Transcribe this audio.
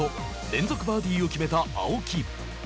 連続バーディーを決めた青木。